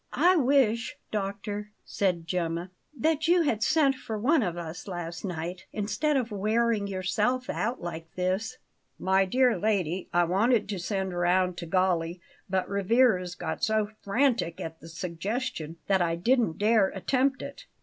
"I wish, doctor," said Gemma, "that you had sent for one of us last night, instead of wearing yourself out like this." "My dear lady, I wanted to send round to Galli; but Rivarez got so frantic at the suggestion that I didn't dare attempt it.